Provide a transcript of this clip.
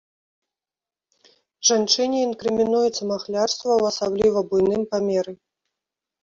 Жанчыне інкрымінуецца махлярства ў асабліва буйным памеры.